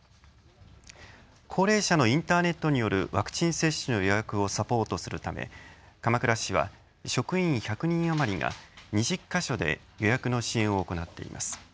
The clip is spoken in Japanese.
高齢者のインターネットによるワクチン接種の予約をサポートするため鎌倉市は職員１００人余りが２０か所で予約の支援を行っています。